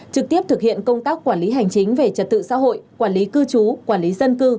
trực tiếp thực hiện công tác quản lý hành chính về trật tự xã hội quản lý cư trú quản lý dân cư